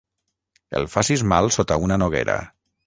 El facis mal sota una noguera.